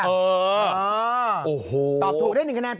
ตอบถูกได้๑คะแนน